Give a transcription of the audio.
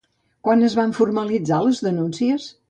Quan es van formalitzar les denúncies?